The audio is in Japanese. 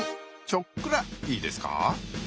ちょっくらいいですか。